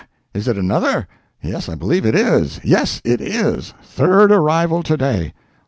is it another? Yes, I believe it is—yes it is! Third arrival to day!